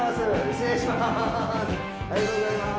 失礼します！